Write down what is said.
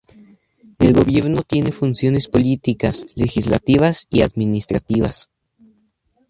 El gobierno tiene funciones políticas, legislativas y administrativas.